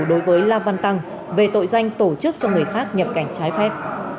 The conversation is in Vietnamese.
đối với la văn tăng về tội danh tổ chức cho người khác nhập cảnh trái phép